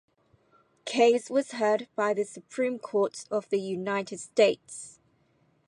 Case was heard by the Supreme Court of the United States.